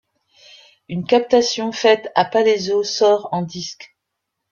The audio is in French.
Une captation faite à Palaiseau sort en disque.